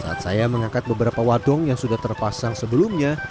saat saya mengangkat beberapa wadung yang sudah terpasang sebelumnya